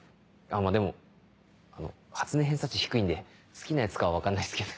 でも初音偏差値低いんで好きなやつか分かんないっすけど。